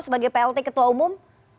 sebagai plt ketua umum